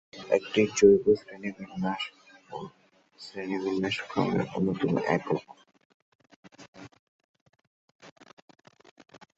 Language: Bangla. এটি জৈব-শ্রেণীবিন্যাস ও শ্রেণীবিন্যাস-ক্রমের অন্যতম একক।